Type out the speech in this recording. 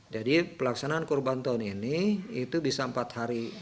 jadi pelaksanaan kurban tahun ini itu bisa empat hari